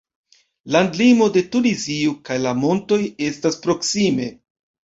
Landlimo de Tunizio kaj la montoj estas proksime.